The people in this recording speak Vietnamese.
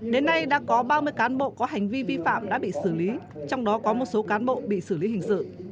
đến nay đã có ba mươi cán bộ có hành vi vi phạm đã bị xử lý trong đó có một số cán bộ bị xử lý hình sự